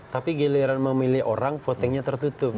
tapi giliran memilih orang votingnya tertutup